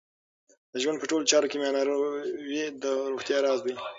د ژوند په ټولو چارو کې میانه روی د روغتیا راز دی.